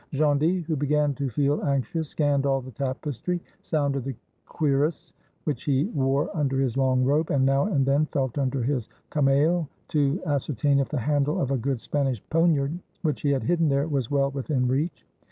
Gondy, who began to feel anxious, scanned all the tapestry, sounded the cuirass •which he wore under his long robe, and now and then felt under his camail to ascertain if the handle of a good Spanish poniard which he had hidden there was well within reach.